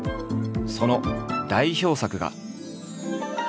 その代表作が。